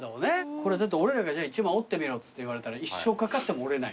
これ俺らが１枚織ってみろって言われたら一生かかっても織れない。